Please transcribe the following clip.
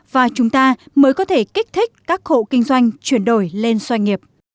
và chúng ta mới có thể kích thích các hộ kinh doanh chuyển đổi lên doanh nghiệp